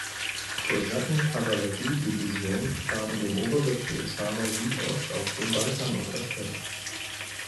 Kosaken-Kavallerie-Division waren dem Oberbefehlshaber Südost auf dem Balkan unterstellt.